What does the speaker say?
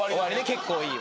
結構いい。